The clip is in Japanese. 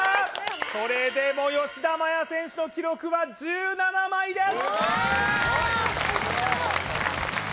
それでも吉田麻也選手の記録は１７枚です！